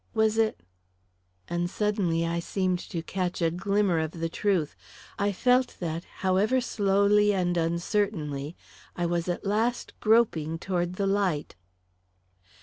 Was it And suddenly I seemed to catch a glimmer of the truth; I felt that, however slowly and uncertainly, I was at last groping toward the light.